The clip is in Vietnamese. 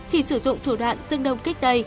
thì sử dụng thủ đoạn dương đông kích đầy